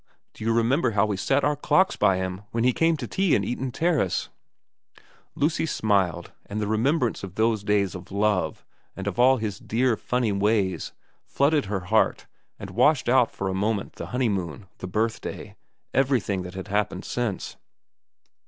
Do you remember how we set our clocks by him when he came to tea in Eaton Terrace ?' Lucy smiled, and the remembrance of those days of love, and of all his dear, funny ways, flooded her heart and washed out for a moment the honeymoon, the birthday, everything that had happened since.